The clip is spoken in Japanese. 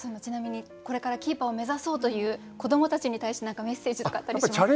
ちなみにこれからキーパーを目指そうという子どもたちに対して何かメッセージとかあったりしますか？